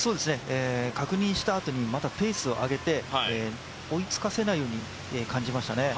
確認したあとにまたペースを上げて、追いつかせないように感じましたね。